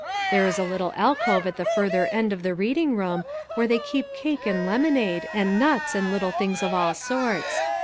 There is a little alcove at the further end of the reading room, where they keep cake and lemonade, and nuts and little things of all sorts.